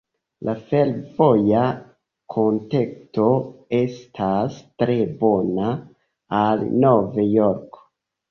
La fervoja kontakto estas tre bona al Nov-Jorko.